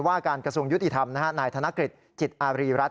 ว่าการกระทรวงยุติธรรมนายธนกฤษจิตอารีรัฐ